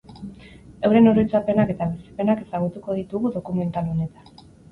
Euren oroitzapenak eta bizipenak ezagutuko ditugu dokumental honetan.